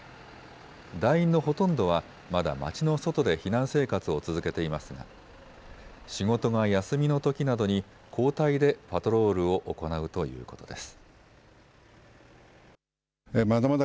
団員のほとんどは、まだ町の外で避難生活を続けていますが仕事が休みのときなどに交代でパトロールを行うということです。